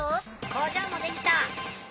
工場もできた！